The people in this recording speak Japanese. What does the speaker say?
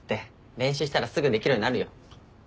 練習したらすぐできるようになるよ。